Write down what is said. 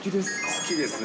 好きですね。